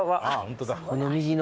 この右の。